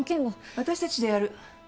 私たちでやる。